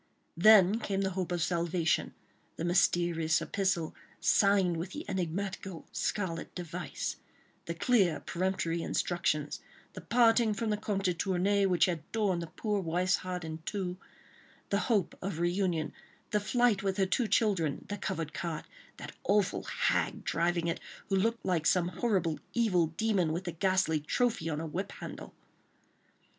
Then came the hope of salvation; the mysterious epistle, signed with the enigmatical scarlet device; the clear, peremptory directions; the parting from the Comte de Tournay, which had torn the poor wife's heart in two; the hope of reunion; the flight with her two children; the covered cart; that awful hag driving it, who looked like some horrible evil demon, with the ghastly trophy on her whip handle!